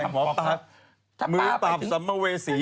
หมอป้าหมอป้ามื้อป้าบสัมเมอเวสี